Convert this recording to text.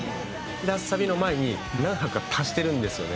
ラスサビの前に何拍か足してるんですよね。